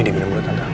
ini dibedam dulu tante